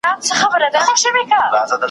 د بلبل بیه سوه لوړه تر زرګونو ,